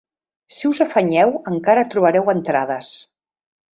Si us afanyeu encara trobareu entrades.